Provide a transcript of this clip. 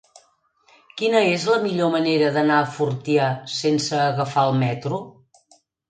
Quina és la millor manera d'anar a Fortià sense agafar el metro?